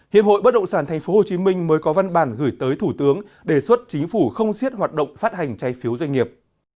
hiệp hội bất động sản tp hcm mới có văn bản gửi tới thủ tướng đề xuất chính phủ không xiết hoạt động phát hành trái phiếu doanh nghiệp